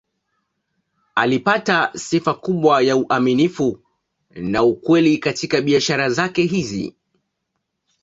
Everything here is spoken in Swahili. Alipata sifa kubwa ya uaminifu na ukweli katika biashara zake hizi.